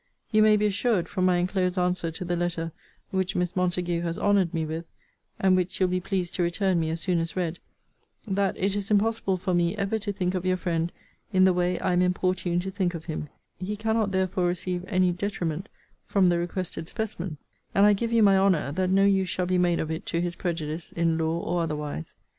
You may be assured, from my enclosed answer to the letter which Miss Montague has honoured me with, (and which you'll be pleased to return me as soon as read,) that it is impossible for me ever to think of your friend in the way I am importuned to think of him: he cannot therefore receive any detriment from the requested specimen: and I give you my honour, that no use shall be made of it to his prejudice, in law, or otherwise.